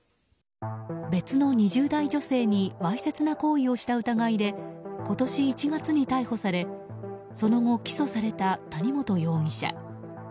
別の２０代女性にわいせつな行為をした疑いで今年１月に逮捕されその後、起訴された谷本容疑者。